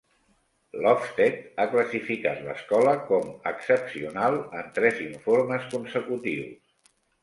L'Ofsted ha classificat l'escola com "Excepcional" en tres informes consecutius.